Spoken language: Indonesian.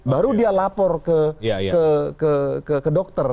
baru dia lapor ke dokter